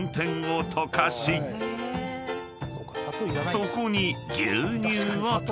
［そこに］